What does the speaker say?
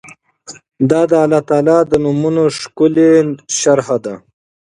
دا د الله تعالی د نومونو ښکلي شرح ده